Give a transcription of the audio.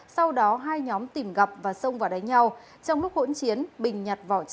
sau đó hai nhóm tìm gặp và xông vào đánh nhau